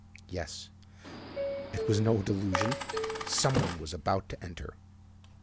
Yes: it was no delusion—some one was about to enter.